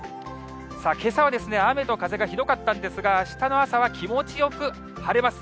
さあ、けさは雨と風がひどかったんですが、あしたの朝は気持ちよく晴れます。